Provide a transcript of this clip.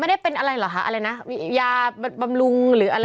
ไม่ได้เป็นอะไรหรอคะยาปรับบำรุงหรืออะไร